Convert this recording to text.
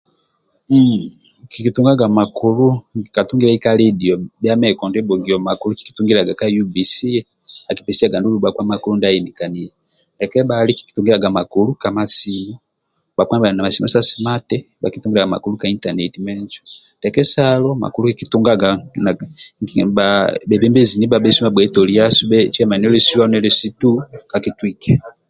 Kiki tunganga makulu nikili katungiliai ka ledio bhia mehe Kondibhugiyo makulu kiki tungilia ka UBC akikipesiaga bhakpa makulu ndia aenikanio ndia kebhali kikitungiliaga makulu ka ma simu bhakpa ndibha bhali ma simu sa simati bhakitungiliaga makulu ka intaneti ndia kesalo kikitungiliaga makulu ka bhembenji ndibha bhessu ceya mani L C I L C II ka kitwike